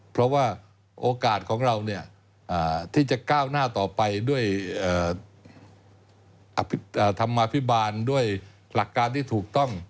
เพราะว่าโอกาสของเราที่จะก้าวหน้าต่อไปด้วยธรรมาภิบาลด้วยหลักการที่ถูกต้อง